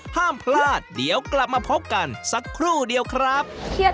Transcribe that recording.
ห้ามพลาดเดี๋ยวกลับมาพบกันสักครู่เดียวครับ